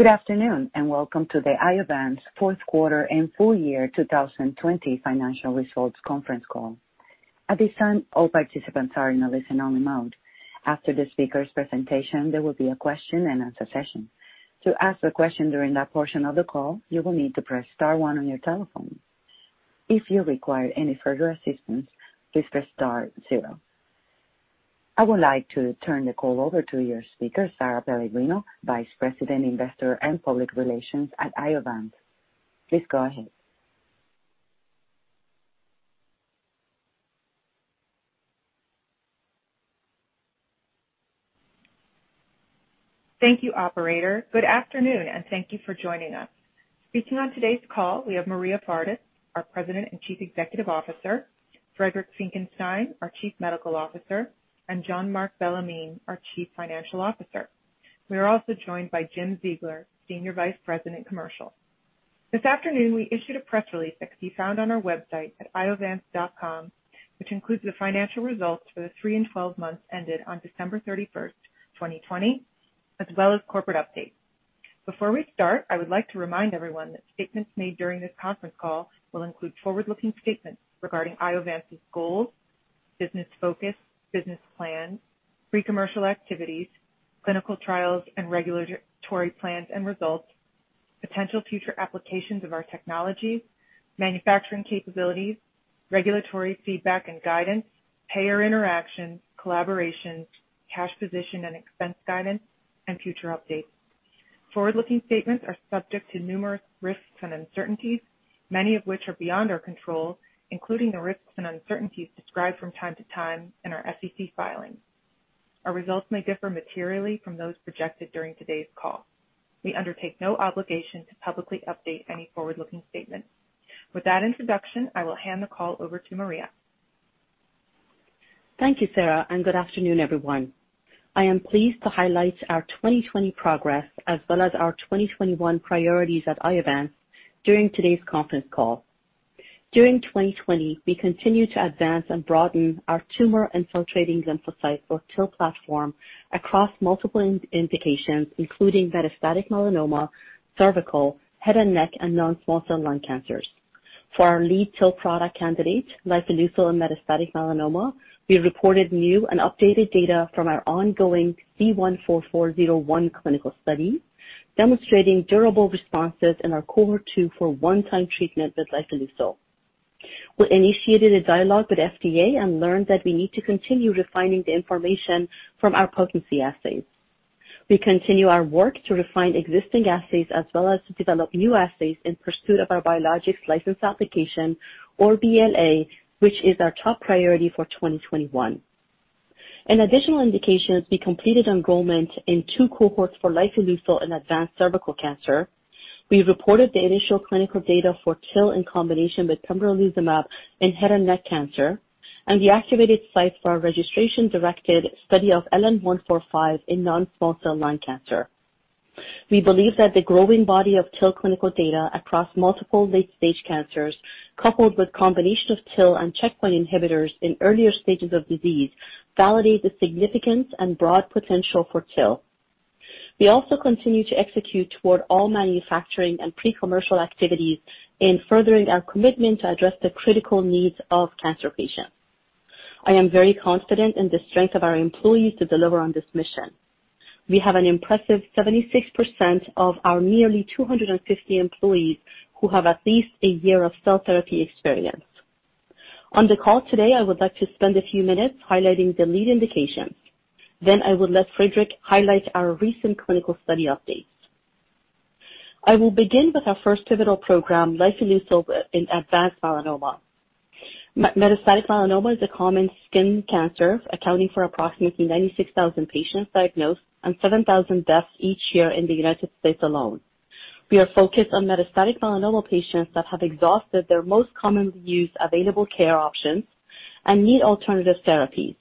Good afternoon, and welcome to the Iovance fourth quarter and full year 2020 financial results conference call. At this time, all participants are in a listen-only mode. After the speaker's presentation, there will be a question-and-answer session. To ask a question during that portion of the call, you will need to press star one on your telephone. If you require any further assistance, please press star zero. I would like to turn the call over to your speaker, Sara Pellegrino, Vice President, Investor and Public Relations at Iovance. Please go ahead. Thank you, operator. Good afternoon, and thank you for joining us. Speaking on today's call, we have Maria Fardis, our president and chief executive officer; Friedrich Finckenstein, our chief medical officer; and Jean-Marc Bellemin, our chief financial officer. We are also joined by Jim Ziegler, Senior Vice President, Commercial. This afternoon, we issued a press release that can be found on our website at iovance.com, which includes the financial results for the three and 12 months ended on December 31st, 2020, as well as corporate updates. Before we start, I would like to remind everyone that statements made during this conference call will include forward-looking statements regarding Iovance's goals, business focus, business plans, pre-commercial activities, clinical trials, and regulatory plans and results, potential future applications of our technologies, manufacturing capabilities, regulatory feedback and guidance, payer interactions, collaborations, cash position and expense guidance, and future updates. Forward-looking statements are subject to numerous risks and uncertainties, many of which are beyond our control, including the risks and uncertainties described from time to time in our SEC filings. Our results may differ materially from those projected during today's call. We undertake no obligation to publicly update any forward-looking statements. With that introduction, I will hand the call over to Maria. Thank you, Sara, and good afternoon, everyone. I am pleased to highlight our 2020 progress as well as our 2021 priorities at Iovance during today's conference call. During 2020, we continued to advance and broaden our tumor-infiltrating lymphocytes, or TIL, platform across multiple indications, including metastatic melanoma, cervical, head and neck, and non-small cell lung cancers. For our lead TIL product candidate, lifileucel in metastatic melanoma, we reported new and updated data from our ongoing C-144-01 clinical study, demonstrating durable responses in our cohort 2 for one-time treatment with lifileucel. We initiated a dialogue with FDA and learned that we need to continue refining the information from our potency assays. We continue our work to refine existing assays as well as to develop new assays in pursuit of our Biologics License Application, or BLA, which is our top priority for 2021. In additional indications, we completed enrollment in two cohorts for lifileucel in advanced cervical cancer. We reported the initial clinical data for TIL in combination with pembrolizumab in head and neck cancer. We activated sites for our registration-directed study of LN-145 in non-small cell lung cancer. We believe that the growing body of TIL clinical data across multiple late-stage cancers, coupled with combination of TIL and checkpoint inhibitors in earlier stages of disease, validate the significance and broad potential for TIL. We also continue to execute toward all manufacturing and pre-commercial activities in furthering our commitment to address the critical needs of cancer patients. I am very confident in the strength of our employees to deliver on this mission. We have an impressive 76% of our nearly 250 employees who have at least a year of cell therapy experience. On the call today, I would like to spend a few minutes highlighting the lead indications. I will let Friedrich highlight our recent clinical study updates. I will begin with our first pivotal program, lifileucel in advanced melanoma. Metastatic melanoma is a common skin cancer, accounting for approximately 96,000 patients diagnosed and 7,000 deaths each year in the U.S. alone. We are focused on metastatic melanoma patients that have exhausted their most commonly used available care options and need alternative therapies.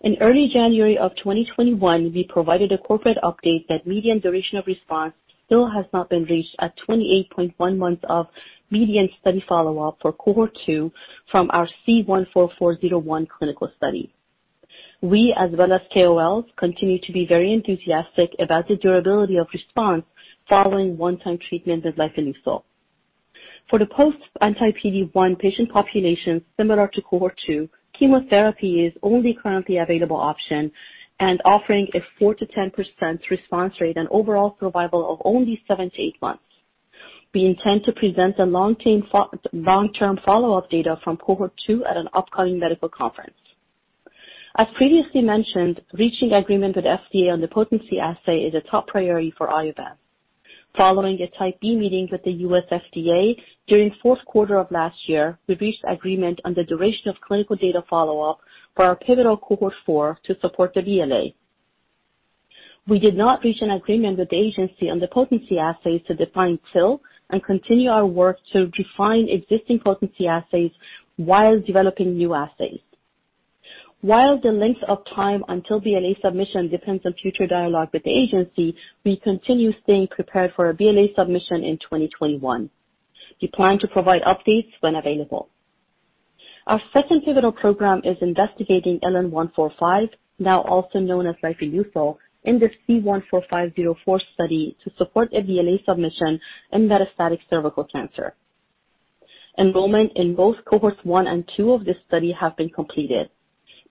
In early January 2021, we provided a corporate update that median duration of response still has not been reached at 28.1 months of median study follow-up for cohort 2 from our C-144-01 clinical study. We, as well as KOLs, continue to be very enthusiastic about the durability of response following one-time treatment with lifileucel. For the post-anti-PD-1 patient population similar to cohort two, chemotherapy is only currently available option and offering a 4% to 10% response rate and an overall survival of only 7 to 8 months. We intend to present the long-term follow-up data from cohort two at an upcoming medical conference. As previously mentioned, reaching agreement with FDA on the potency assay is a top priority for Iovance. Following a type B meeting with the U.S. FDA during the fourth quarter of last year, we've reached agreement on the duration of clinical data follow-up for our pivotal cohort four to support the BLA. We did not reach an agreement with the agency on the potency assays to define TIL and continue our work to refine existing potency assays while developing new assays. While the length of time until BLA submission depends on future dialogue with the agency, we continue staying prepared for a BLA submission in 2021. We plan to provide updates when available. Our second pivotal program is investigating LN-145, now also known as lifileucel, in the C-145-04 study to support a BLA submission in metastatic cervical cancer. Enrollment in both cohorts 1 and 2 of this study have been completed.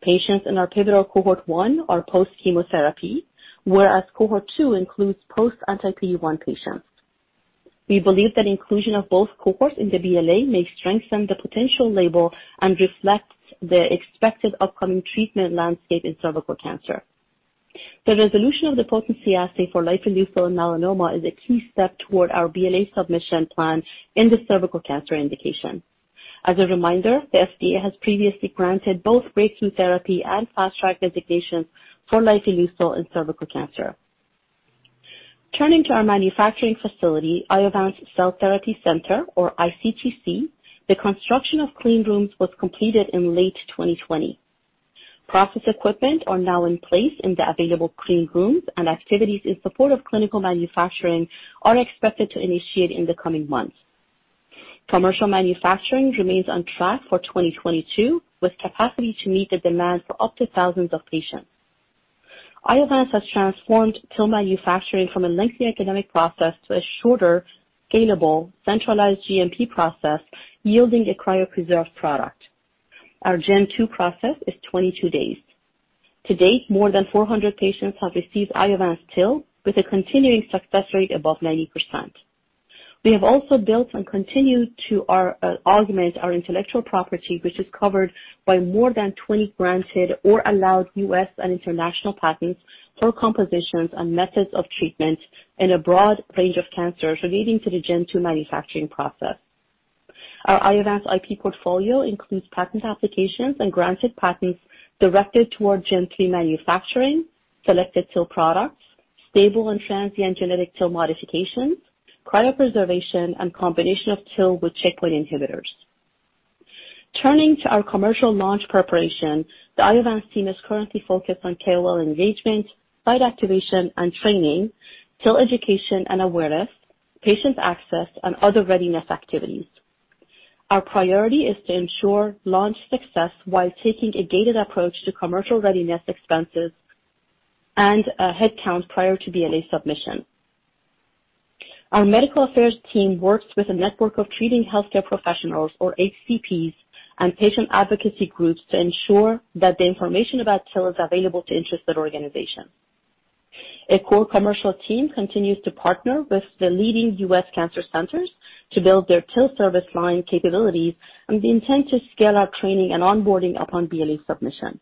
Patients in our pivotal cohort 1 are post-chemotherapy, whereas cohort 2 includes post-anti-PD-1 patients. We believe that inclusion of both cohorts in the BLA may strengthen the potential label and reflect the expected upcoming treatment landscape in cervical cancer. The resolution of the potency assay for lifileucel in melanoma is a key step toward our BLA submission plan in the cervical cancer indication. As a reminder, the FDA has previously granted both breakthrough therapy and fast track designations for lifileucel in cervical cancer. Turning to our manufacturing facility, Iovance Cell Therapy Center, or iCTC, the construction of clean rooms was completed in late 2020. Process equipment are now in place in the available clean rooms, and activities in support of clinical manufacturing are expected to initiate in the coming months. Commercial manufacturing remains on track for 2022, with capacity to meet the demand for up to thousands of patients. Iovance has transformed TIL manufacturing from a lengthy academic process to a shorter, scalable, centralized GMP process, yielding a cryopreserved product. Our Gen 2 process is 22 days. To date, more than 400 patients have received Iovance TIL, with a continuing success rate above 90%. We have also built and continue to augment our intellectual property, which is covered by more than 20 granted or allowed U.S. and international patents for compositions and methods of treatment in a broad range of cancers leading to the Gen 2 manufacturing process. Our Iovance IP portfolio includes patent applications and granted patents directed toward Gen 3 manufacturing, selected TIL products, stable and transient genetic TIL modifications, cryopreservation, and combination of TIL with checkpoint inhibitors. Turning to our commercial launch preparation, the Iovance team is currently focused on KOL engagement, site activation and training, TIL education and awareness, patient access, and other readiness activities. Our priority is to ensure launch success while taking a gated approach to commercial readiness expenses and headcount prior to BLA submission. Our medical affairs team works with a network of treating healthcare professionals, or HCPs, and patient advocacy groups to ensure that the information about TIL is available to interested organizations. A core commercial team continues to partner with the leading U.S. cancer centers to build their TIL service line capabilities, and we intend to scale our training and onboarding upon BLA submission.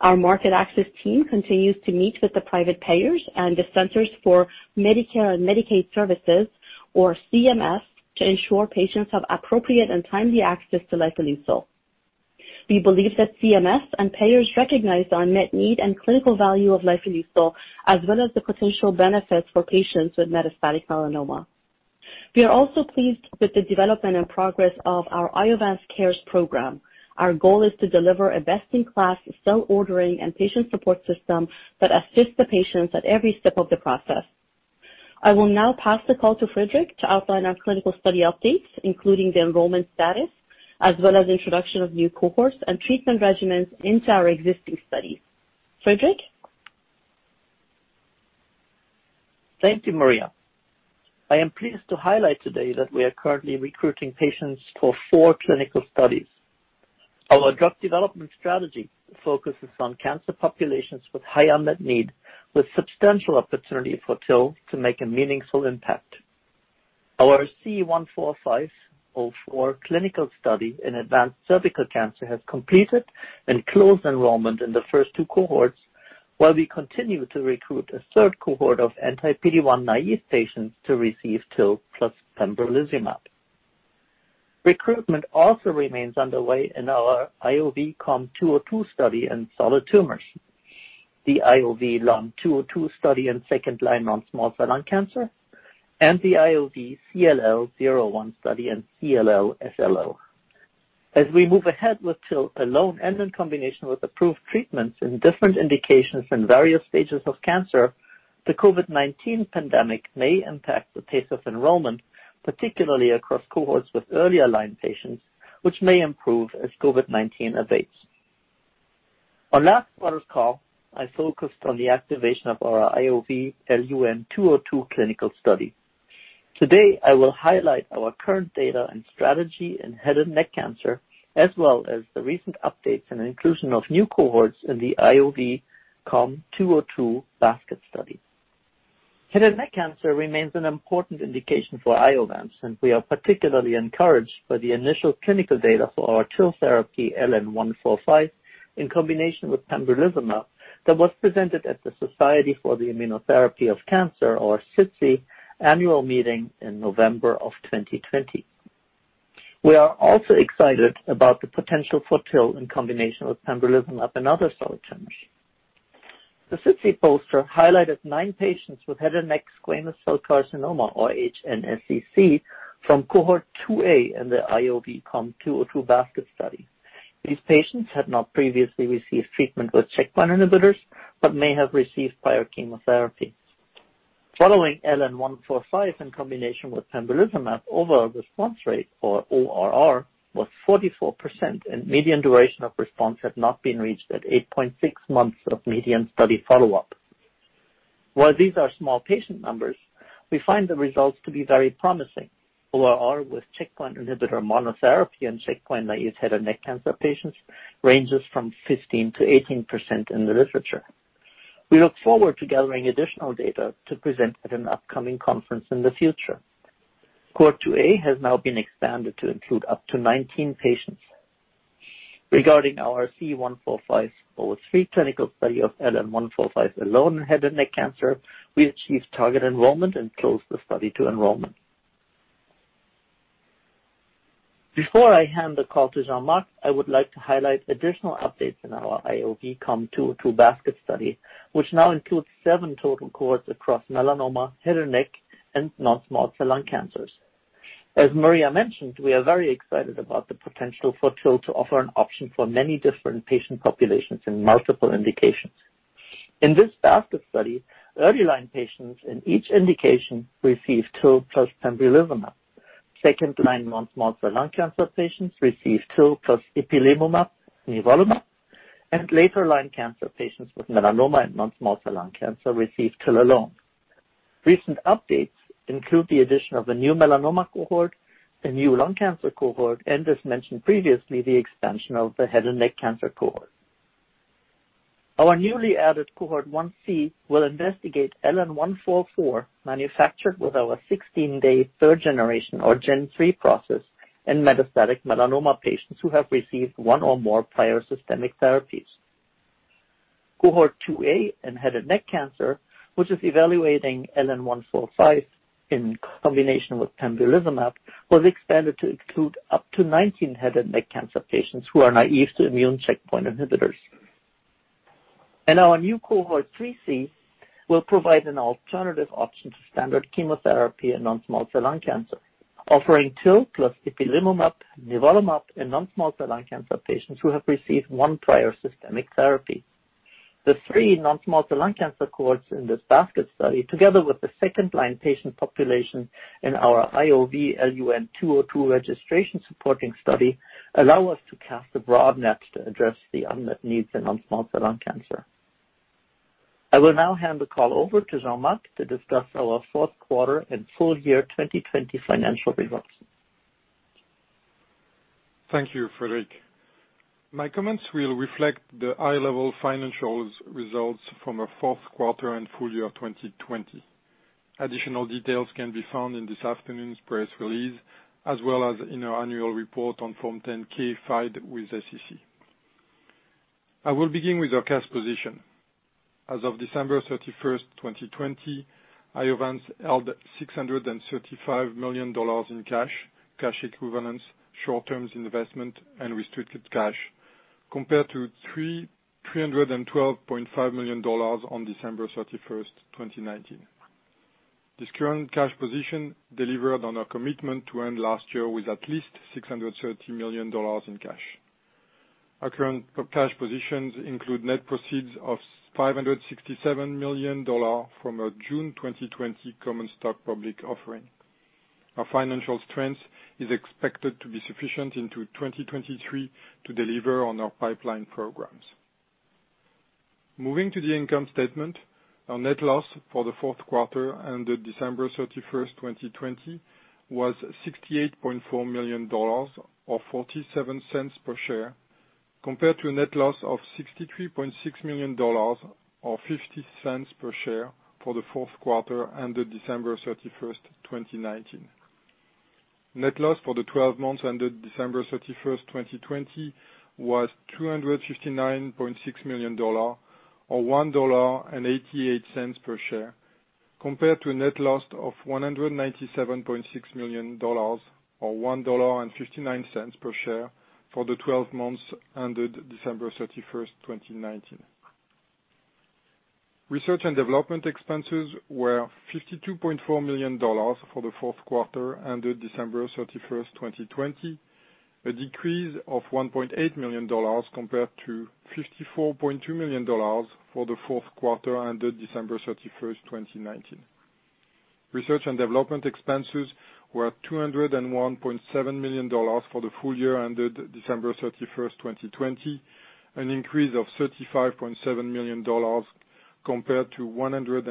Our market access team continues to meet with the private payers and the Centers for Medicare and Medicaid Services, or CMS, to ensure patients have appropriate and timely access to lifileucel. We believe that CMS and payers recognize our net need and clinical value of lifileucel, as well as the potential benefits for patients with metastatic melanoma. We are also pleased with the development and progress of our IovanceCares program. Our goal is to deliver a best-in-class cell ordering and patient support system that assists the patients at every step of the process. I will now pass the call to Friedrich to outline our clinical study updates, including the enrollment status, as well as introduction of new cohorts and treatment regimens into our existing studies. Friedrich? Thank you, Maria. I am pleased to highlight today that we are currently recruiting patients for four clinical studies. Our drug development strategy focuses on cancer populations with high unmet needs, with substantial opportunity for TIL to make a meaningful impact. Our C-145-04 clinical study in advanced cervical cancer has completed and closed enrollment in the first 2 cohorts, while we continue to recruit a third cohort of anti-PD-1 naive patients to receive TIL plus pembrolizumab. Recruitment also remains underway in our IOV-COM-202 study in solid tumors. The IOV-LUN-202 study in second-line non-small cell lung cancer and the IOV-CLL-01 study in CLL/SLL. As we move ahead with TIL alone and in combination with approved treatments in different indications in various stages of cancer, the COVID-19 pandemic may impact the pace of enrollment, particularly across cohorts with earlier line patients, which may improve as COVID-19 abates. On last quarter's call, I focused on the activation of our IOV-LUN-202 clinical study. Today, I will highlight our current data and strategy in head and neck cancer, as well as the recent updates and inclusion of new cohorts in the IOV-COM-202 basket study. Head and neck cancer remains an important indication for Iovance, and we are particularly encouraged by the initial clinical data for our TIL therapy, LN-145, in combination with pembrolizumab, that was presented at the Society for the Immunotherapy of Cancer, or SITC, annual meeting in November of 2020. We are also excited about the potential for TIL in combination with pembrolizumab in other solid tumors. The SITC poster highlighted nine patients with head and neck squamous cell carcinoma, or HNSCC, from cohort 2A in the IOV-COM-202 basket study. This patient has not previously received treatment, but check parameters but may have received prior chemotherapy. Following LN-145 in combination with pembrolizumab, overall response rate, or ORR, was 44%, and median duration of response had not been reached at 8.6 months of median study follow-up. While these are small patient numbers, we find the results to be very promising. ORR with checkpoint inhibitor monotherapy in checkpoint-naive head and neck cancer patients ranges from 15% to 18% in the literature. We look forward to gathering additional data to present at an upcoming conference in the future. Cohort 2A has now been expanded to include up to 19 patients. Regarding our C-145-03 clinical study of LN-145 alone in head and neck cancer, we achieved target enrollment and closed the study to enrollment. Before I hand the call to Jean-Marc, I would like to highlight additional updates in our IOV-COM-202 basket study, which now includes seven total cohorts across melanoma, head and neck, and non-small cell lung cancers. As Maria mentioned, we are very excited about the potential for TIL to offer an option for many different patient populations in multiple indications. In this basket study, early-line patients in each indication received TIL plus pembrolizumab. Second-line non-small cell lung cancer patients received TIL plus ipilimumab, nivolumab, and later line cancer patients with melanoma and non-small cell lung cancer received TIL alone. Recent updates include the addition of a new melanoma cohort, a new lung cancer cohort, and, as mentioned previously, the expansion of the head and neck cancer cohort. Our newly added cohort 1C will investigate LN-144, manufactured with our 16-day third generation, or Gen 3 process, in metastatic melanoma patients who have received one or more prior systemic therapies. Cohort 2a in head and neck cancer, which is evaluating LN-145 in combination with pembrolizumab, was expanded to include up to 19 head and neck cancer patients who are naive to immune checkpoint inhibitors. Our new cohort, 3C, will provide an alternative option to standard chemotherapy in non-small cell lung cancer, offering TIL plus ipilimumab, nivolumab in non-small cell lung cancer patients who have received one prior systemic therapy. The three non-small cell lung cancer cohorts in this basket study, together with the second blind patient population in our IOV-LUN-202 registration supporting study, allow us to cast a broad net to address the unmet needs in non-small cell lung cancer. I will now hand the call over to Jean-Marc to discuss our fourth quarter and full year 2020 financial results. Thank you, Friedrich. My comments will reflect the high-level financial results from the fourth quarter and full year 2020. Additional details can be found in this afternoon's press release, as well as in our annual report on Form 10-K filed with SEC. I will begin with our cash position. As of December 31st, 2020, Iovance held $635 million in cash equivalents, short-term investments, and restricted cash, compared to $312.5 million on December 31st, 2019. This current cash position delivered on our commitment to end last year with at least $630 million in cash. Our current cash positions include net proceeds of $567 million from a June 2020 common stock public offering. Our financial strength is expected to be sufficient into 2023 to deliver on our pipeline programs. Moving to the income statement. Our net loss for the fourth quarter ended December 31st, 2020, was $68.4 million, or $0.47 per share, compared to a net loss of $63.6 million, or $0.50 per share, for the fourth quarter ended December 31st, 2019. Net loss for the 12 months ended December 31st, 2020, was $259.6 million, or $1.88 per share, compared to a net loss of $197.6 million, or $1.59 per share, for the 12 months ended December 31st, 2019. Research and development expenses were $52.4 million for the fourth quarter ended December 31st, 2020, a decrease of $1.8 million compared to $54.2 million for the fourth quarter ended December 31st, 2019. Research and development expenses were $201.7 million for the full year ended December 31st, 2020, an increase of $35.7 million compared to $166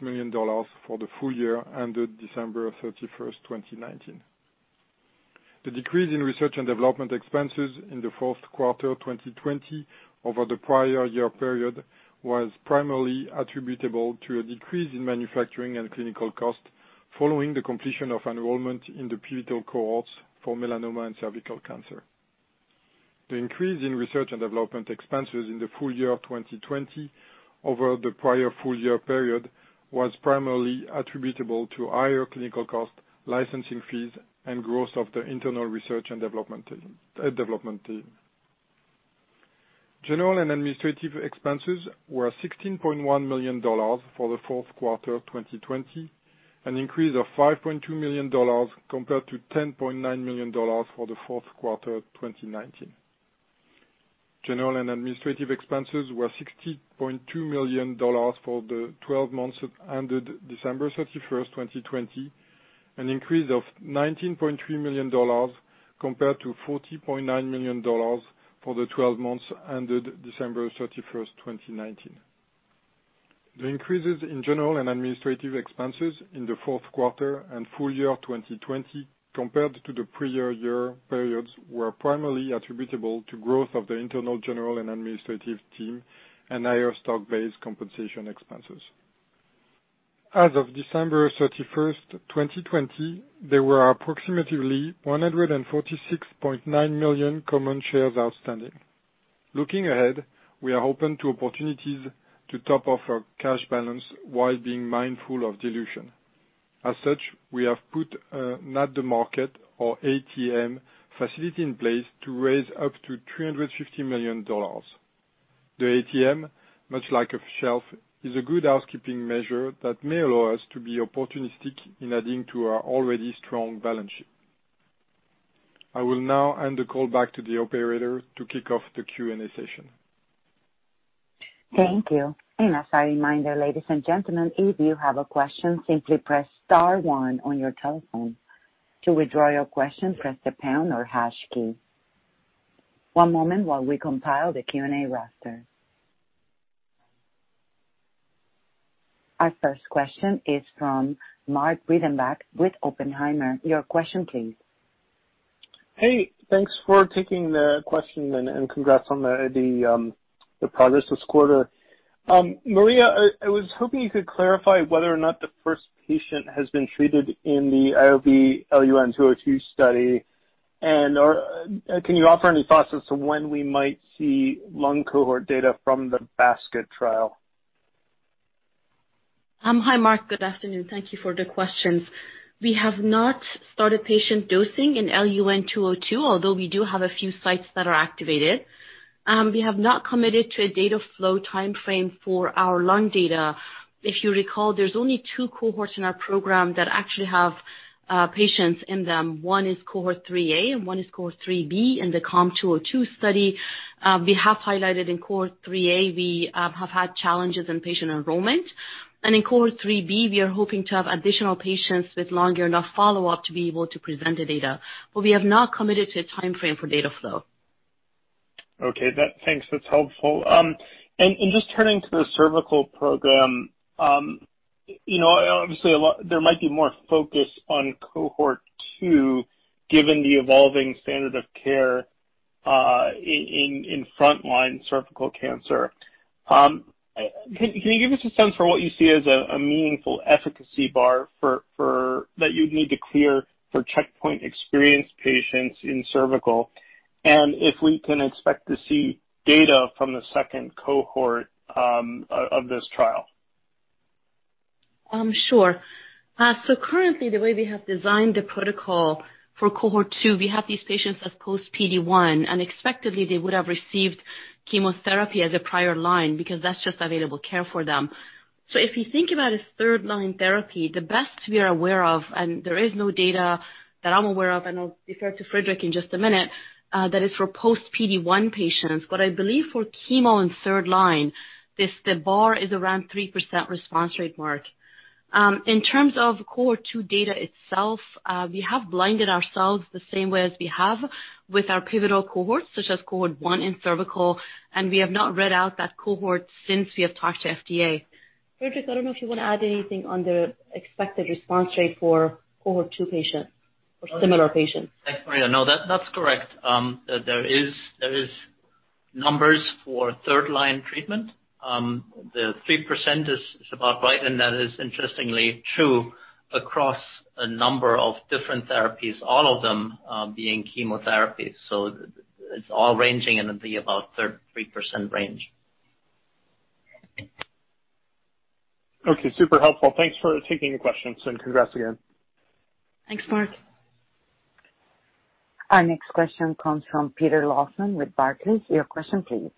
million for the full year ended December 31st, 2019. The decrease in research and development expenses in the fourth quarter of 2020 over the prior year period was primarily attributable to a decrease in manufacturing and clinical cost following the completion of enrollment in the pivotal cohorts for melanoma and cervical cancer. The increase in research and development expenses in the full year of 2020 over the prior full year period was primarily attributable to higher clinical costs, licensing fees, and growth of the internal research and development team. General and administrative expenses were $16.1 million for the fourth quarter of 2020, an increase of $5.2 million compared to $10.9 million for the fourth quarter of 2019. General and administrative expenses were $60.2 million for the 12 months ended December 31, 2020, an increase of $19.3 million compared to $40.9 million for the 12 months ended December 31, 2019. The increases in general and administrative expenses in the fourth quarter and full year 2020 compared to the prior-year periods were primarily attributable to growth of the internal general and administrative team and higher stock-based compensation expenses. As of December 31st, 2020, there were approximately 146.9 million common shares outstanding. Looking ahead, we are open to opportunities to top off our cash balance while being mindful of dilution. As such, we have put an at-the-market, or ATM, facility in place to raise up to $350 million. The ATM, much like a shelf, is a good housekeeping measure that may allow us to be opportunistic in adding to our already strong balance sheet. I will now hand the call back to the operator to kick off the Q&A session. Thank you. As a reminder, ladies and gentlemen, if you have a question, simply press star one on your telephone. To withdraw your question, simply press the pound key or hash key. One moment while we compile the Q&A roster. Our first question is from Mark Breidenbach with Oppenheimer. Your question, please. Hey, thanks for taking the question, and congrats on the progress this quarter. Maria, I was hoping you could clarify whether or not the first patient has been treated in the IOV-LUN-202 study, and can you offer any thoughts as to when we might see lung cohort data from the basket trial? Hi, Mark. Good afternoon. Thank you for the questions. We have not started patient dosing in LUN202, although we do have a few sites that are activated. We have not committed to a data flow timeframe for our lung data. If you recall, there's only two cohorts in our program that actually have patients in them. One is cohort 3A, and one is cohort 3B in the COM202 study. We have highlighted in cohort 3A; we have had challenges in patient enrollment. In cohort 3B, we are hoping to have additional patients with longer follow-up to be able to present the data. We have not committed to a timeframe for data flow. Okay, thanks. That's helpful. Just turning to the cervical program, obviously there might be more focus on cohort 2 given the evolving standard of care in frontline cervical cancer. Can you give us a sense for what you see as a meaningful efficacy bar that you'd need to clear for checkpoint-experienced patients in cervical? If we can expect to see data from the second cohort of this trial. Sure. Currently, the way we have designed the protocol for cohort 2, we have these patients as post-PD-1, and expectedly they would have received chemotherapy as a prior line, because that's just available care for them. If you think about a third-line therapy, the best we are aware of, and there is no data that I'm aware of, and I'll defer to Friedrich in just a minute, that is for post-PD-1 patients. I believe for chemo and third line, the bar is around 3% response rate, Mark. In terms of cohort 2 data itself, we have blinded ourselves the same way as we have with our pivotal cohorts, such as cohort 1 in cervical, and we have not read out that cohort since we have talked to FDA. Friedrich, I don't know if you want to add anything on the expected response rate for cohort 2 patients or similar patients. Thanks, Maria. No, that's correct. There is numbers for third-line treatment. The 3% is about right, and that is interestingly true across a number of different therapies, all of them being chemotherapy. It's all ranging in the about 3% range. Okay, super helpful. Thanks for taking the questions, and congrats again. Thanks, Mark. Our next question comes from Peter Lawson with Barclays. Your question, please.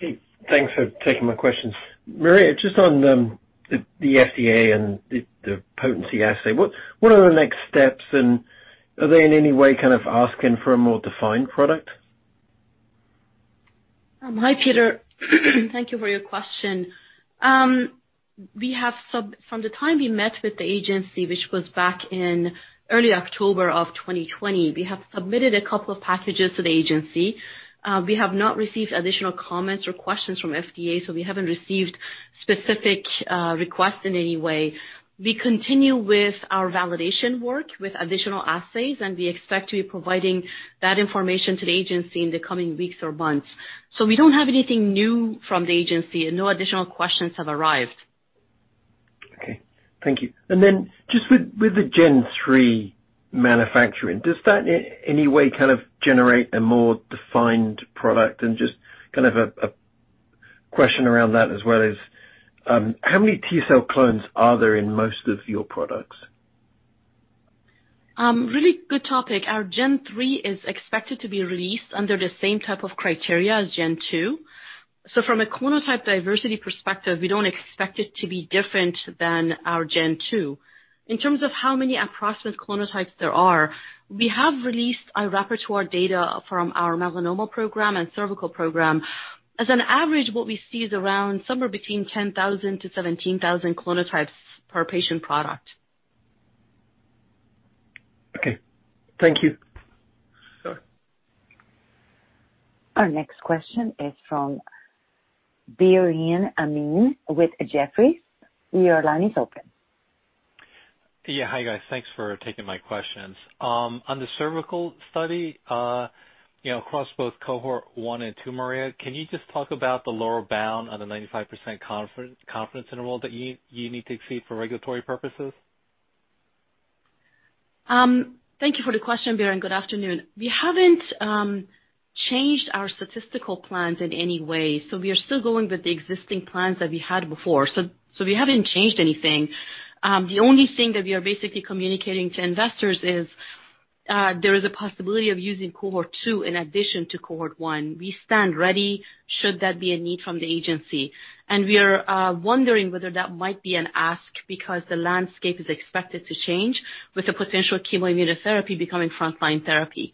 Hey, thanks for taking my questions. Maria, just on the FDA and the potency assay, what are the next steps, and are they in any way kind of asking for a more defined product? Hi, Peter. Thank you for your question. From the time we met with the agency, which was back in early October of 2020, we have submitted a couple of packages to the agency. We have not received additional comments or questions from FDA, so we haven't received specific requests in any way. We continue with our validation work with additional assays, and we expect to be providing that information to the agency in the coming weeks or months. We don't have anything new from the agency, and no additional questions have arrived. Okay. Thank you. Then just with the Gen 3 manufacturing, does that in any way kind of generate a more defined product? Just kind of a question around that, as well as how many T-cell clones are there in most of your products? Really good topic. Our Gen 3 is expected to be released under the same type of criteria as Gen 2. From a clonotype diversity perspective, we don't expect it to be different than our Gen 2. In terms of how many across those clonotypes there are, we have released our repertoire data from our melanoma program and cervical program. As an average, what we see is around somewhere between 10,000 to 17,000 clonotypes per patient product. Okay. Thank you. Our next question is from Biren Amin with Jefferies. Your line is open. Yeah. Hi, guys. Thanks for taking my questions. On the cervical study, across both cohort 1 and 2, Maria, can you just talk about the lower bound on the 95% confidence interval that you need to exceed for regulatory purposes? Thank you for the question, Biren, good afternoon. We haven't changed our statistical plans in any way; we are still going with the existing plans that we had before. We haven't changed anything. The only thing that we are basically communicating to investors is there is a possibility of using cohort 2 in addition to cohort 1. We stand ready should that be a need from the agency. We are wondering whether that might be an ask, because the landscape is expected to change with the potential chemoimmunotherapy becoming frontline therapy.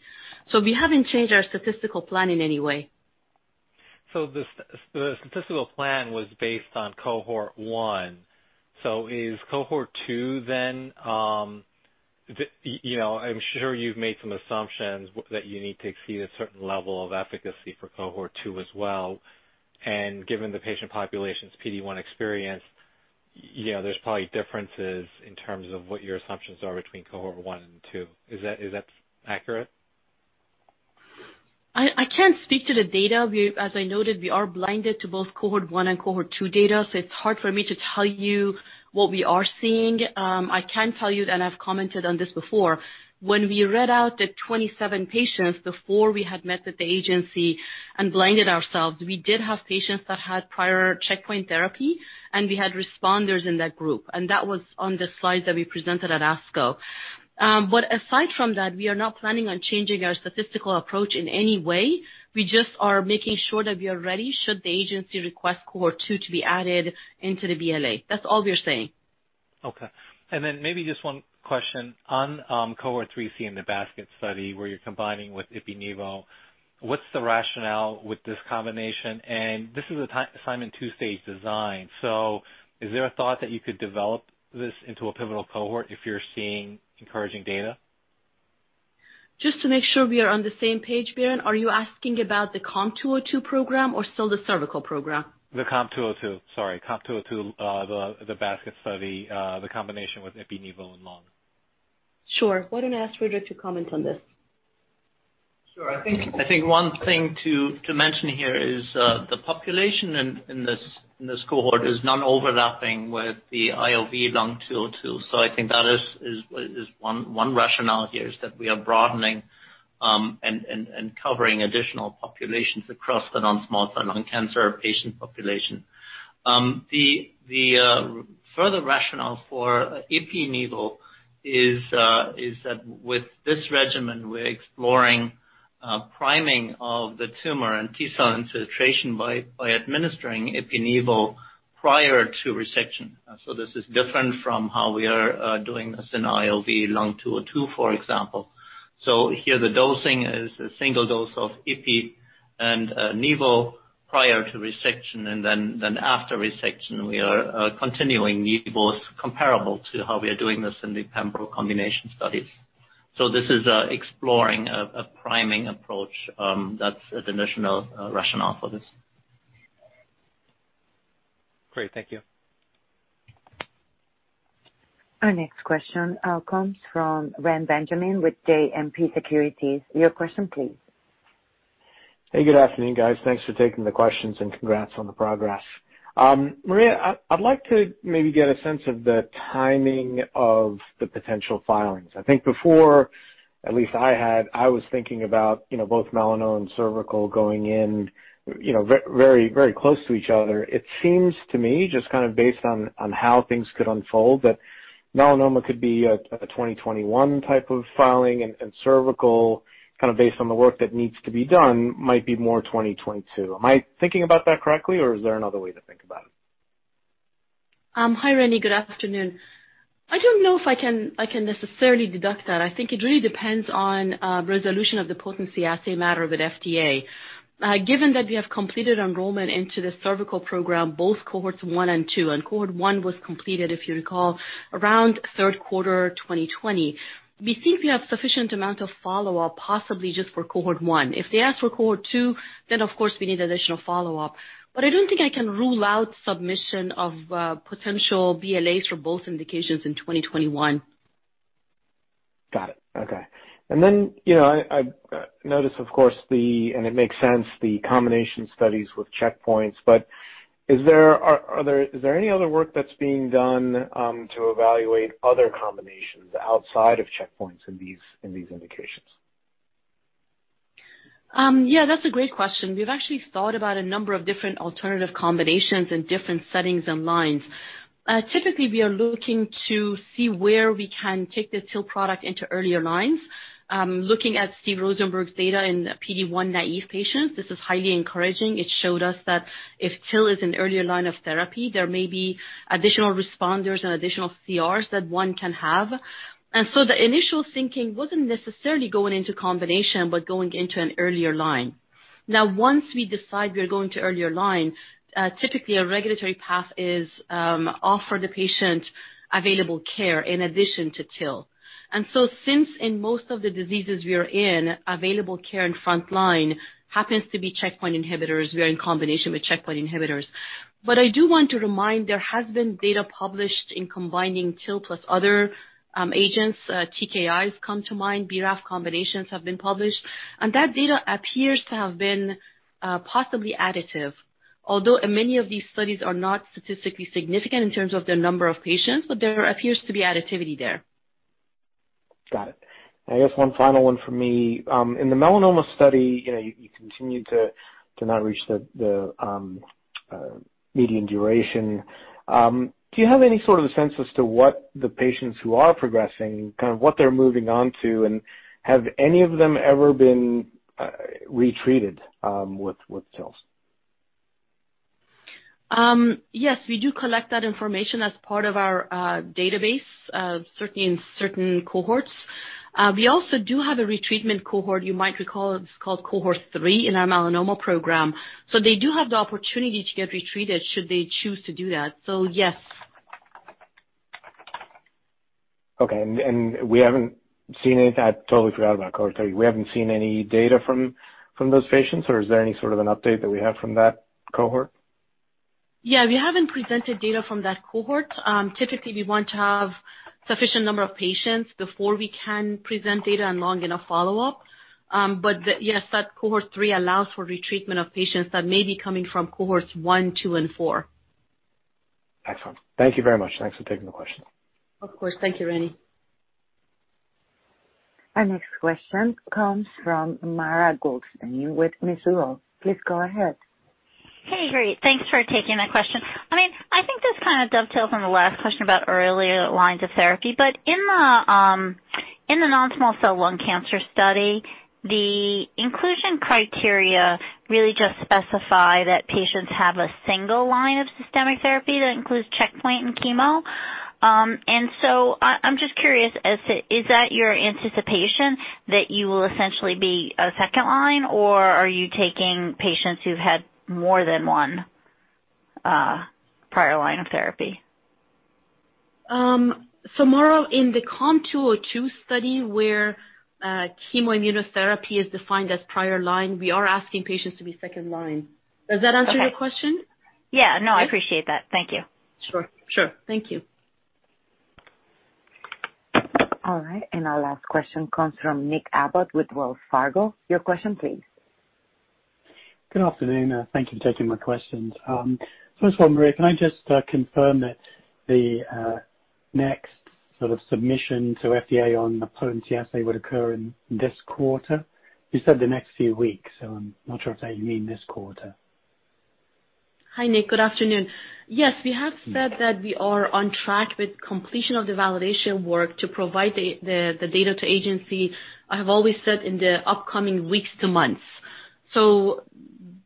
We haven't changed our statistical plan in any way. The statistical plan was based on cohort 1. Is cohort 2, then I'm sure you've made some assumptions that you need to exceed a certain level of efficacy for cohort 2 as well, and given the patient population's PD-1 experience, there's probably differences in terms of what your assumptions are between cohort 1 and 2. Is that accurate? I can't speak to the data. As I noted, we are blinded to both cohort 1 and cohort 2 data, so it's hard for me to tell you what we are seeing. I can tell you, and I've commented on this before, when we read out the 27 patients before we had met with the agency and blinded ourselves, we did have patients that had prior checkpoint therapy, and we had responders in that group. That was on the slides that we presented at ASCO. Aside from that, we are not planning on changing our statistical approach in any way. We just are making sure that we are ready should the agency request cohort 2 to be added into the BLA. That's all we are saying. Okay. Then maybe just one question on cohort 3C in the Basket study where you're combining with Ipi-Nivo. What's the rationale with this combination? This is a Simon two-stage design, so is there a thought that you could develop this into a pivotal cohort if you're seeing encouraging data? Just to make sure we are on the same page, Biren, are you asking about the COM 202 program or still the cervical program? The COM 202, sorry. COM 202, the Basket study, the combination with Ipi/Nivo in lung. Sure. Why don't I ask Friedrich to comment on this? Sure. I think one thing to mention here is the population in this cohort is non-overlapping with the IOV-LUN-202. I think that is one rationale here, is that we are broadening and covering additional populations across the non-small cell lung cancer patient population. The further rationale for Ipi/Nivo is that with this regimen, we're exploring priming of the tumor and T cell infiltration by administering Ipi/Nivo prior to resection. This is different from how we are doing this in IOV-LUN-202, for example. Here the dosing is a single dose of ipi and nivo prior to resection, and then after resection, we are continuing nivos comparable to how we are doing this in the pembro combination studies. This is exploring a priming approach; that's the additional rationale for this. Great. Thank you. Our next question comes from Reni Benjamin with JMP Securities. Your question, please. Hey, good afternoon, guys. Thanks for taking the questions, and congrats on the progress. Maria, I'd like to maybe get a sense of the timing of the potential filings. I think before, at least, I was thinking about both melanoma and cervical going in very close to each other. It seems to me, just kind of based on how things could unfold, that melanoma could be a 2021 type of filing, and cervical, kind of based on the work that needs to be done, might be more 2022. Am I thinking about that correctly, or is there another way to think about it? Hi, Reni. Good afternoon. I don't know if I can necessarily deduct that. I think it really depends on the resolution of the potency assay matter with FDA. Given that we have completed enrollment into the cervical program, both cohorts 1 and 2, and cohort 1 was completed, if you recall, around third quarter 2020, we think we have sufficient amount of follow-up, possibly just for cohort 1. If they ask for cohort 2, of course we need additional follow-up. I don't think I can rule out submission of potential BLAs for both indications in 2021. Got it. Okay. I notice, of course, and it makes sense, the combination studies with checkpoints. Is there any other work that's being done to evaluate other combinations outside of checkpoints in these indications? Yeah, that's a great question. We've actually thought about a number of different alternative combinations and different settings and lines. Typically, we are looking to see where we can take the TIL product into earlier lines. Looking at Steve Rosenberg's data in PD-1 naive patients, this is highly encouraging. It showed us that if TIL is an earlier line of therapy, there may be additional responders and additional CRs that one can have. The initial thinking wasn't necessarily going into combination, but going into an earlier line. Now, once we decide we are going to earlier line, typically a regulatory path is to offer the patient available care in addition to TIL. Since in most of the diseases we are in, available care and frontline happen to be checkpoint inhibitors, we are in combination with checkpoint inhibitors. I do want to remind, there has been data published in combining TIL plus other agents. TKIs come to mind; BRAF combinations have been published, and that data appears to have been possibly additive, although many of these studies are not statistically significant in terms of the number of patients, but there appears to be additivity there. Got it. I guess one final one from me. In the melanoma study, you continue to not reach the median duration. Do you have any sort of sense as to what the patients who are progressing, kind of what they're moving on to? Have any of them ever been retreated with TILs? Yes, we do collect that information as part of our database in certain cohorts. We also do have a retreatment cohort; you might recall it's called Cohort 3 in our melanoma program. They do have the opportunity to get retreated should they choose to do that. Yes. Okay. We haven't seen it. I totally forgot about Cohort 3. We haven't seen any data from those patients, or is there any sort of an update that we have from that cohort? Yeah. We haven't presented data from that cohort. Typically, we want to have a sufficient number of patients before we can present data and long enough follow-up. Yes, that cohort three allows for retreatment of patients that may be coming from cohorts one, two, and four. Excellent. Thank you very much. Thanks for taking the question. Of course. Thank you, Reni. Our next question comes from Mara Goldstein with Mizuho. Please go ahead. Hey, great. Thanks for taking my question. I think this kind of dovetails on the last question about earlier lines of therapy, but in the non-small cell lung cancer study, the inclusion criteria really just specify that patients have a single line of systemic therapy that includes checkpoint and chemo. I'm just curious, is that your anticipation that you will essentially be a second-line, or are you taking patients who've had more than one prior line of therapy? Mara, in the COM 202 study where chemoimmunotherapy is defined as prior line, we are asking patients to be second line. Does that answer your question? Okay. Yeah. No, I appreciate that. Thank you. Sure. Thank you. All right, our last question comes from Nick Abbott with Wells Fargo. Your question, please. Good afternoon. Thank you for taking my questions. First one, Maria, can I just confirm that the next sort of submission to FDA on the potency assay would occur in this quarter? You said the next few weeks; I'm not sure if that you mean this quarter. Hi, Nick. Good afternoon. Yes, we have said that we are on track with completion of the validation work to provide the data to agency. I have always said in the upcoming weeks to months, so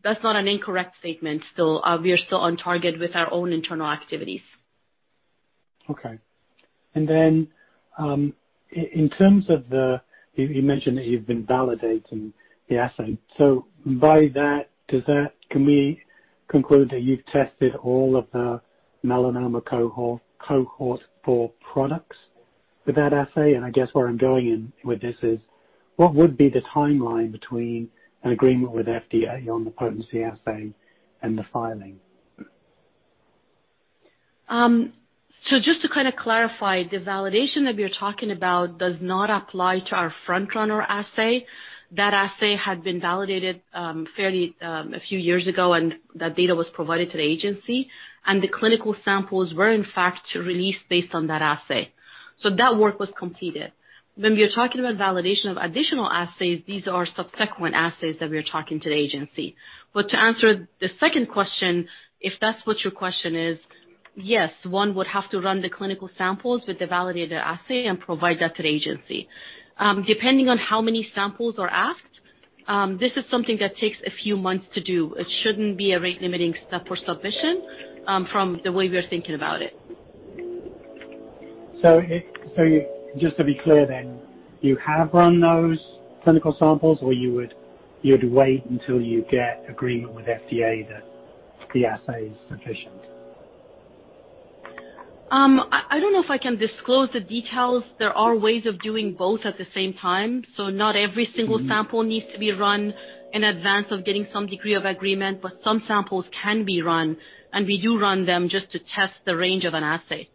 that's not an incorrect statement. We are still on target with our own internal activities. Okay. You mentioned that you've been validating the assay. By that, can we conclude that you've tested all of the melanoma cohorts for products with that assay? I guess where I'm going in with this is, what would be the timeline between an agreement with FDA on the potency assay and the filing? Just to kind of clarify, the validation that we are talking about does not apply to our front runner assay. That assay had been validated a few years ago, and that data was provided to the agency, and the clinical samples were in fact released based on that assay. That work was completed. When we are talking about validation of additional assays, these are subsequent assays that we are talking to the agency. To answer the second question, if that's what your question is, yes, one would have to run the clinical samples with the validated assay and provide that to the agency. Depending on how many samples are asked, this is something that takes a few months to do. It shouldn't be a rate-limiting step for submission from the way we are thinking about it. Just to be clear, you have run those clinical samples, or you'd wait until you get agreement with FDA that the assay is sufficient? I don't know if I can disclose the details. There are ways of doing both at the same time. Not every single sample needs to be run in advance of getting some degree of agreement, but some samples can be run, and we do run them just to test the range of an assay.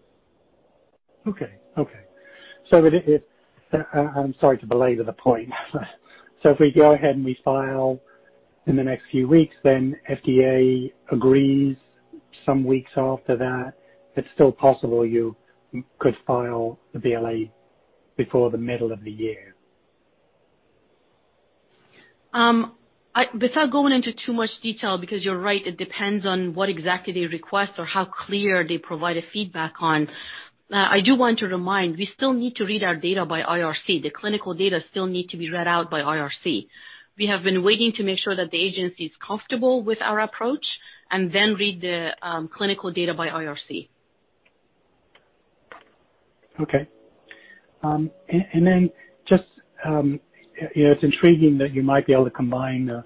Okay. I'm sorry to belabor the point, but if we go ahead and we file in the next few weeks, and the FDA agrees some weeks after that, it's still possible you could file the BLA before the middle of the year? Without going into too much detail, because you're right, it depends on what exactly they request or how clear they provide feedback on. I do want to remind, we still need to read our data by IRC. The clinical data still need to be read out by IRC. We have been waiting to make sure that the agency's comfortable with our approach and then read the clinical data by IRC. Okay. It's intriguing that you might be able to combine the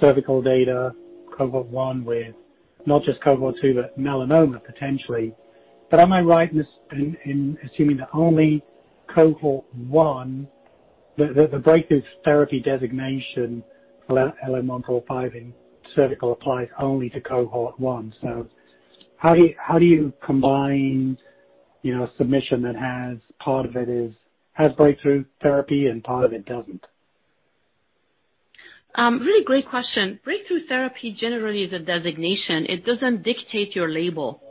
cervical data cohort 1 with not just cohort 2, but melanoma potentially. Am I right in assuming that only cohort 1, the breakthrough therapy designation for LN-145 in cervical, applies only to cohort 1. How do you combine a submission that has breakthrough therapy and part of it doesn't? Really great question. Breakthrough therapy generally is a designation. It doesn't dictate your label.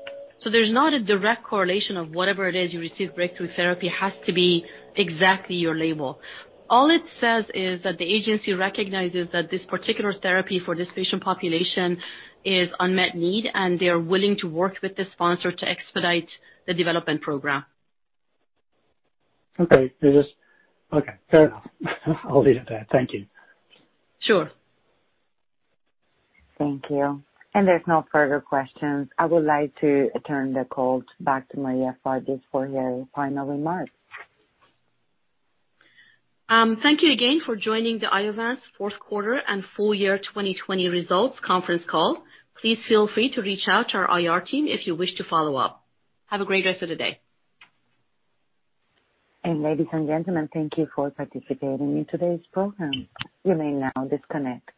There's not a direct correlation of whatever it is you receive; breakthrough therapy has to be exactly your label. All it says is that the agency recognizes that this particular therapy for this patient population is unmet need, and they're willing to work with the sponsor to expedite the development program. Okay, fair enough. I'll leave it at that. Thank you Sure. Thank you. There's no further questions. I would like to return the call back to Maria Fardis for her final remarks. Thank you again for joining the Iovance fourth quarter and full year 2020 results conference call. Please feel free to reach out to our IR team if you wish to follow up. Have a great rest of the day. Ladies and gentlemen, thank you for participating in today's program. You may now disconnect.